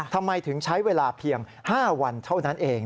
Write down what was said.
ทำไมถึงใช้เวลาเพียง๕วันเท่านั้นเอง